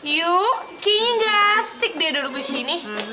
yuh kayaknya ga asik dia duduk disini